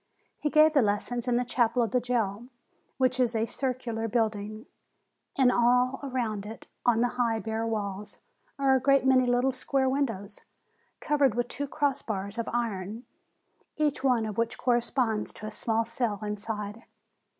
He gave the lessons in the chapel of the jail, which is a circular building, and all around it, on the high, bare walls, are a great many little square windows, covered with two cross bars of iron, each one of which corresponds to a very small cell inside.